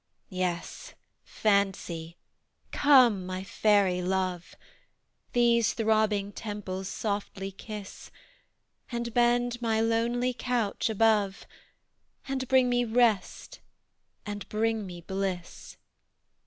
Yes, Fancy, come, my Fairy love! These throbbing temples softly kiss; And bend my lonely couch above, And bring me rest, and bring me bliss.